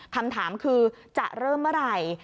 คำถามคือจะเริ่มเมื่อไหร่